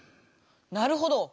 なるほど！